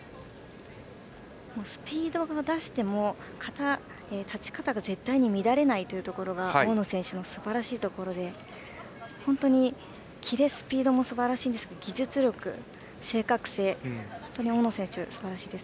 スピードを出しても立ち方が絶対に乱れないところが大野選手のすばらしいところで本当にキレ、スピードもすばらしいんですが技術力、正確性本当に大野選手、すばらしいです。